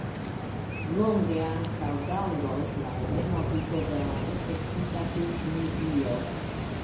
Longe ankaŭ daŭros la renovigo de la difektita vivmedio.